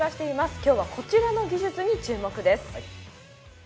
今日はこちらの技術に注目です。